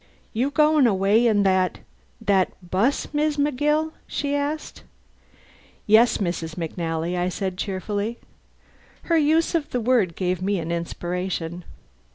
"You going away in that that 'bus, Mis' McGill?" she asked. "Yes, Mrs. McNally," I said cheerfully. Her use of the word gave me an inspiration.